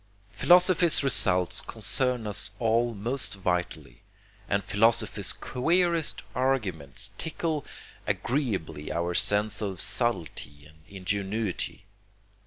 Philosophy's results concern us all most vitally, and philosophy's queerest arguments tickle agreeably our sense of subtlety and ingenuity.